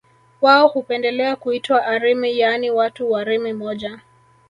wao hupendelea kuitwa Arimi yaani watu wa Rimi moja